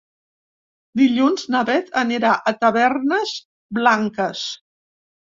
Dilluns na Bet anirà a Tavernes Blanques.